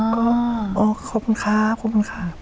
ขอบคุณครับขอบคุณครับ